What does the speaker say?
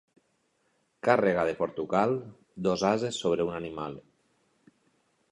Càrrega de Portugal, dos ases sobre un animal.